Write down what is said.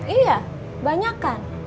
iya banyak kan